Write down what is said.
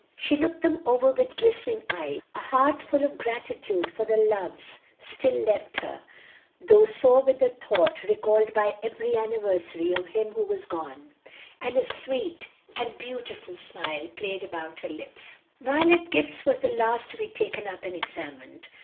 She looked them over with glistening eyes, a heart full of gratitude for the loves still left her, though sore with the thought, recalled by every anniversary, of him who was gone, and a sweet and beautiful smile playing about her lips. Violet's gift was the last to be taken up and examined.